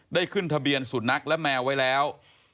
ขึ้นทะเบียนสุนัขและแมวไว้แล้ว